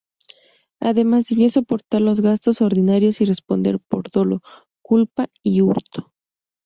Además, debía soportar los gastos ordinarios y responder por dolo, culpa y hurto.